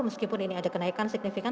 meskipun ini ada kenaikan signifikan